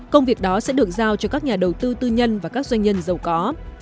công việc đó sẽ được giao cho các nhà đầu tư tư nhân và các doanh nhân giàu có